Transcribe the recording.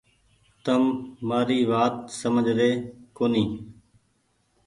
تم مآري وآت سمجه ري ڪونيٚ ۔